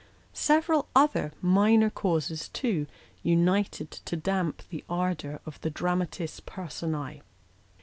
Several other minor causes, too, united to damp the ardour of the dramatis personse.